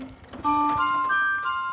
oh bagus banget